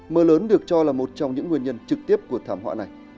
mưa lớn được cho là một trong những nguyên nhân trực tiếp của thảm họa này